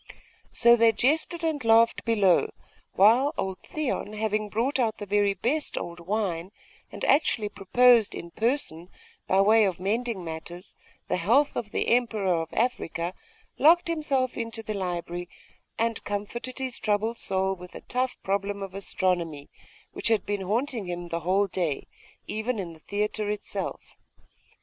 So they jested and laughed below, while old Theon, having brought out the very best old wine, and actually proposed in person, by way of mending matters, the health of the Emperor of Africa, locked himself into the library, and comforted his troubled soul with a tough problem of astronomy, which had been haunting him the whole day, even in the theatre itself.